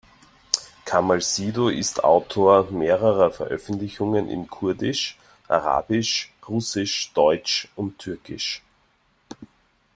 Kamal Sido ist Autor mehrerer Veröffentlichungen in Kurdisch, Arabisch, Russisch, Deutsch und Türkisch.